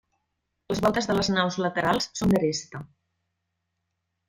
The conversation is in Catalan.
Les voltes de les naus laterals són d'aresta.